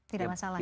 tidak masalah ya